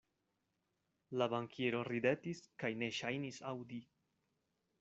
La bankiero ridetis kaj ne ŝajnis aŭdi.